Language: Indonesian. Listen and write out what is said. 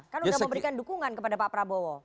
kan sudah memberikan dukungan kepada pak prabowo